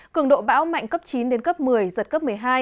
cường độ bão mạnh cấp chín đến cấp một mươi giật cấp một mươi hai